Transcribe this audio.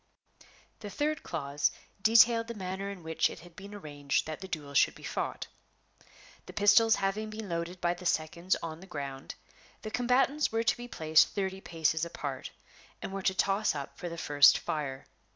The third clause detailed the manner in which it had been arranged that the duel should be fought. The pistols having been loaded by the seconds on the ground, the combatants were to be placed thirty paces apart, and were to toss up for the first fire.